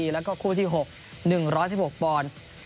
แล้วก็คู่ที่๖๑๑๖ปอนด์